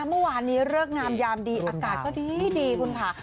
เมื่อวานนี้เลิกงามยามดีอากาศก็ดีคุณค่ะ